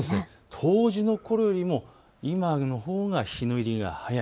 冬至のころよりも今のほうが日の入りが早い。